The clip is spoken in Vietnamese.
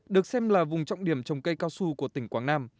được xem là vùng trọng điểm trồng cây cao su của tỉnh quảng nam